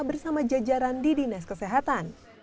bersama jajaran di dinas kesehatan